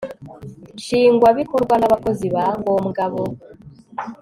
Nshingwabikorwa n abakozi ba ngombwa bo